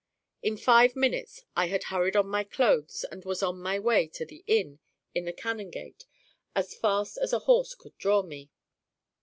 In five minutes I had hurried on my clothes and was on my way to the inn in the Canongate as fast as a horse could draw me.